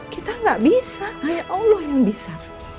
kita gak bisa kayak allah yang bisa